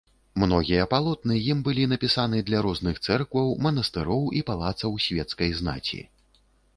Многія палотны ім былі напісаны для розных цэркваў, манастыроў і палацаў свецкай знаці.